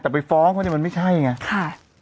แต่ไปฟ้องเขาเนี่ยมันไม่ใช่ไงค่ะ